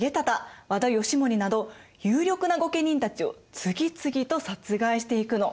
和田義盛など有力な御家人たちを次々と殺害していくの。